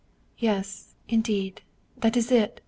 " Yes, indeed, that is it!